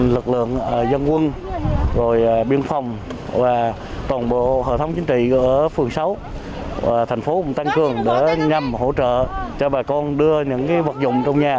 lực lượng dân quân biên phòng và tổng bộ hợp thống chính trị ở phương sáu thành phố cũng tăng cường để nhằm hỗ trợ cho bà con đưa những vật dụng trong nhà